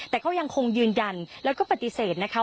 แต่ก็ยังคงยืนยันแล้วก็ปฏิเสธนะคะ